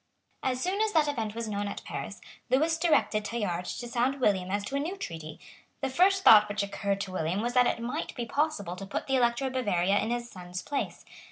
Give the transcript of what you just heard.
As soon as that event was known at Paris, Lewis directed Tallard to sound William as to a new treaty. The first thought which occurred to William was that it might be possible to put the Elector of Bavaria in his son's place.